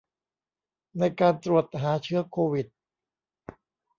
ในการตรวจหาเชื้อโควิด